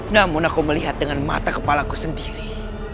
namun aku melihat dengan mata kepala ku sendiri